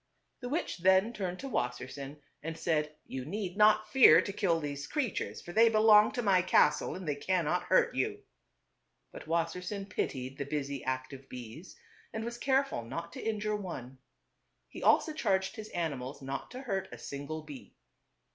The witch then turned to Wassersein and said, "You need not fear to kill these creatures, for they belong to my castle and they cannot hurt you." But Wassersein pitied the busy, active bees, and was careful not to injure one. He also charged his animals not to hurt a single bee.